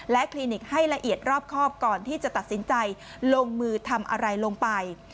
คลินิกให้ละเอียดรอบครอบก่อนที่จะตัดสินใจลงมือทำอะไรลงไป